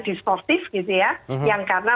disortif yang karena